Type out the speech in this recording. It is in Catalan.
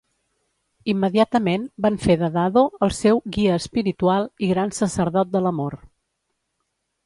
Immediatament van fer de Dado el seu "guia espiritual" i "gran sacerdot de l'amor".